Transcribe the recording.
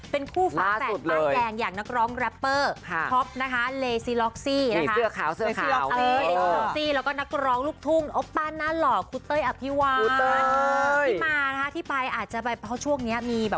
เป็นคู่ฝากแฟนมายแหลงยัง